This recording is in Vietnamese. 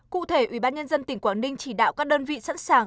cụ thể ubnd tỉnh quảng ninh chỉ đạo các đơn vị sẵn sàng